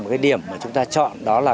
một cái điểm mà chúng ta chọn đó là